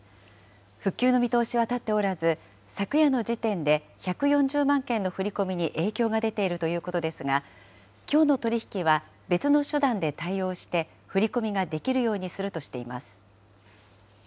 復旧の見通しは立っておらず、昨夜の時点で１４０万件の振り込みに影響が出ているということですが、きょうの取り引きは別の手段で対応して、振り込みができるようにするとしています。